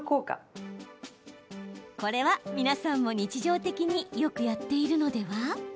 これは、皆さんも日常的によくやっているのでは？